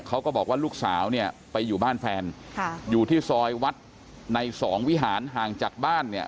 เขาก็บอกว่าลูกสาวเนี่ยไปอยู่บ้านแฟนค่ะอยู่ที่ซอยวัดในสองวิหารห่างจากบ้านเนี่ย